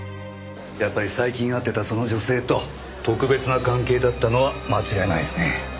やっぱり最近会ってたその女性と特別な関係だったのは間違いないですね。